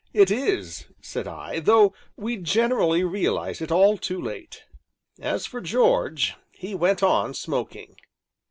"It is," said I, "though we generally realize it all too late." As for George, he went on smoking.